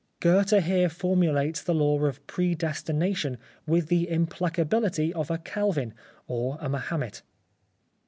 Goethe here formulates the law of predestination with the implacability of a Calvin or a Mahomet.